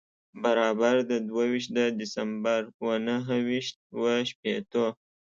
برابر د دوه ویشت د دسمبر و نهه ویشت و شپېتو.